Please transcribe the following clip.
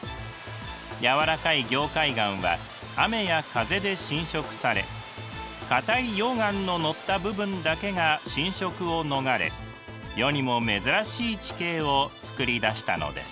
やわらかい凝灰岩は雨や風で侵食されかたい溶岩ののった部分だけが侵食を逃れ世にも珍しい地形をつくりだしたのです。